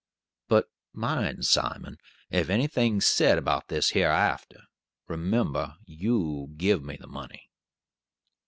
But mind, Simon, ef anything's said about this hereafter, remember, you give me the money."